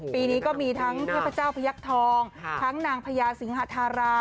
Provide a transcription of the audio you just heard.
ปีนี้ก็มีทั้งเทพเจ้าพยักษ์ทองทั้งนางพญาสิงหาธารา